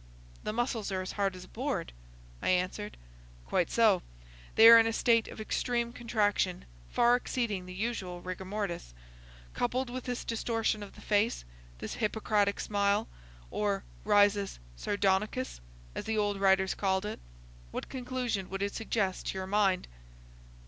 "The muscles are as hard as a board," I answered. "Quite so. They are in a state of extreme contraction, far exceeding the usual rigor mortis. Coupled with this distortion of the face, this Hippocratic smile, or 'risus sardonicus,' as the old writers called it, what conclusion would it suggest to your mind?"